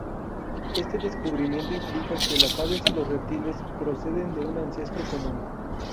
Este descubrimiento implica que las aves y los reptiles proceden de un ancestro común.